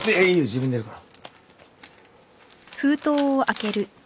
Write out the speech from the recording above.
自分でやるから。